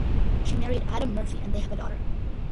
She married Adam Murphy, and they have a daughter.